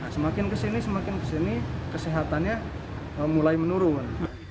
semakin kesini semakin kesini kesehatannya mulai menurun kan